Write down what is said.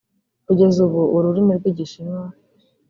Kugeza ubu ururimi rw’Igishinwa